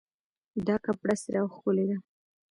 دا کپړه سره او ښکلې ده